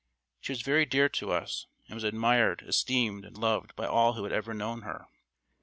She was very dear to us, and was admired, esteemed, and loved by all who had ever known her.